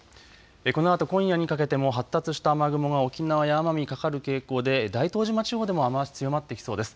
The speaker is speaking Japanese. このあと今夜にかけても発達した雨雲が沖縄や奄美にかかる傾向で大東島地方でも雨足強まってきそうです。